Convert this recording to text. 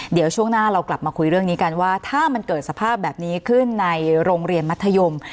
เดี๋ยวช่วงหน้าเรากลับมาคุยเรื่องนี้กันว่าถ้ามันเกิดสภาพแบบนี้ขึ้นในโรงเรียนมัธยม